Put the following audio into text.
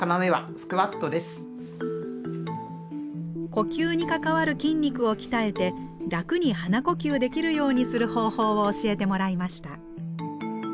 呼吸に関わる筋肉を鍛えて楽に鼻呼吸できるようにする方法を教えてもらいました。